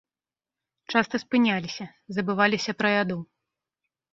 Часта спыняліся, забываліся пра яду.